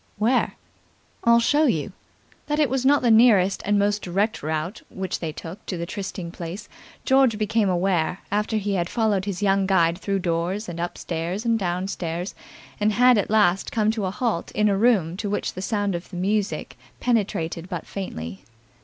"Where?" "I'll show you." That it was not the nearest and most direct route which they took to the trysting place George became aware after he had followed his young guide through doors and up stairs and down stairs and had at last come to a halt in a room to which the sound of the music penetrated but faintly.